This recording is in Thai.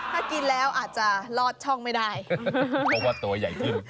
ถ้ากินแล้วอาจจะลอดช่องไม่ได้เพราะว่าตัวใหญ่ขึ้น